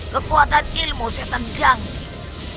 kekuatan ilmu setan janggit